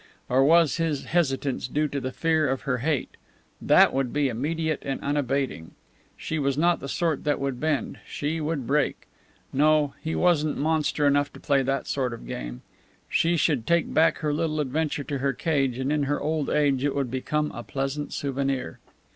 Or was his hesitance due to the fear of her hate? That would be immediate and unabating. She was not the sort that would bend she would break. No, he wasn't monster enough to play that sort of game. She should take back her little adventure to her cage, and in her old age it would become a pleasant souvenir.